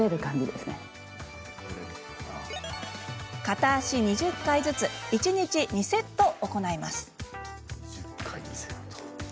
片足２０回ずつ一日２セット行います。